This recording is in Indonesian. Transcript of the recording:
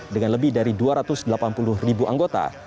dengan lebih dari dua ratus delapan puluh ribu anggota